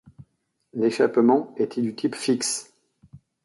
L'échappement était du type fixe.